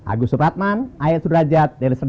agus suratman ayat sudrajat d s d